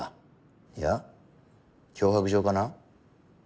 いや脅迫状かな？